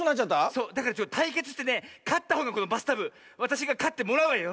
そうだからたいけつしてねかったほうがこのバスタブわたしがかってもらうわよ。